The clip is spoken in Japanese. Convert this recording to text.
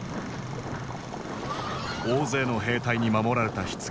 大勢の兵隊に守られたひつぎ。